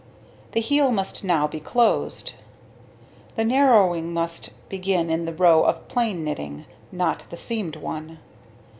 The heel must now be closed; the narrowing must begin in the row of plain knitting, not the seamed one.